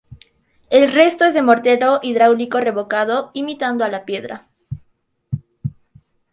El resto es de mortero hidráulico revocado imitando a la piedra.